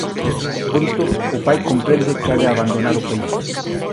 Pronto o pai comprende que ha de abandonar o país.